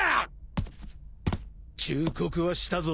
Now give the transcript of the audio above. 忠告はしたぞ。